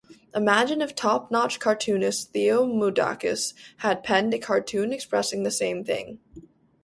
Imagine if top-notch cartoonist Theo Moudakis had penned a cartoon expressing the same thing.